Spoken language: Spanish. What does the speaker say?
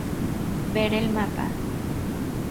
Ver el mapa.